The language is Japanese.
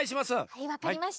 はいわかりました。